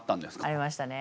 ありましたね。